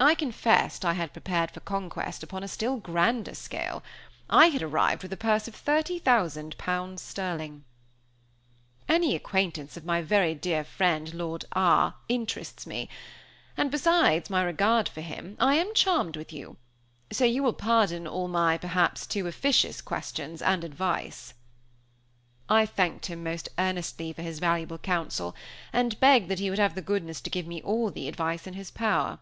I confessed I had prepared for conquest upon a still grander scale. I had arrived with a purse of thirty thousand pounds sterling. "Any acquaintance of my very dear friend, Lord R , interests me; and, besides my regard for him, I am charmed with you; so you will pardon all my, perhaps, too officious questions and advice." I thanked him most earnestly for his valuable counsel, and begged that he would have the goodness to give me all the advice in his power.